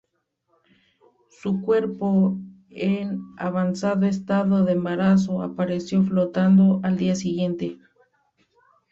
Su cuerpo, en avanzado estado de embarazo, apareció flotando al día siguiente.